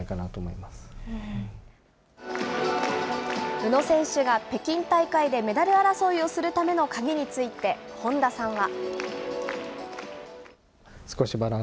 宇野選手が北京大会でメダル争いをするための鍵について、本田さんは。